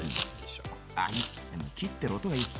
あっ切ってる音がいい！